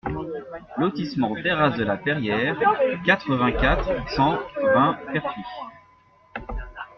Lotissement Terrasses de la Peyriere, quatre-vingt-quatre, cent vingt Pertuis